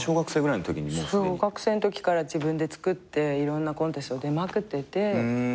小学生のときから自分でつくっていろんなコンテスト出まくってて。